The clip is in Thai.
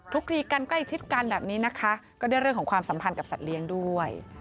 คลีกันใกล้ชิดกันแบบนี้นะคะก็ได้เรื่องของความสัมพันธ์กับสัตว์เลี้ยงด้วย